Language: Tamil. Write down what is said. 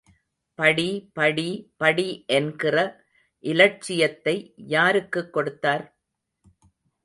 படி, படி, படி என்கிற இலட்சியத்தை யாருக்குக் கொடுத்தார்?